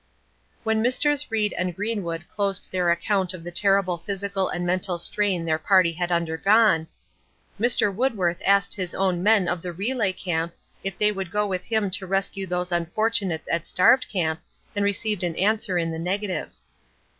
When Messrs. Reed and Greenwood closed their account of the terrible physical and mental strain their party had undergone, "Mr. Woodworth asked his own men of the relay camp, if they would go with him to rescue those unfortunates at 'Starved Camp,' and received an answer in the negative."